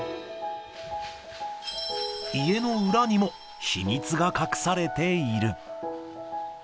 家の裏にも、秘密が隠されている。